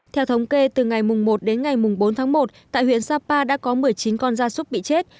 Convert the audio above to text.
theo thống kê từ ngày một đến ngày bốn tháng một tại huyện sapa đã có một mươi chín con da súc bị chết